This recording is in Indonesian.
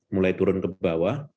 mulai turun ke bawah